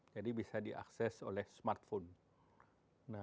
jadi bisa diakses oleh smartphone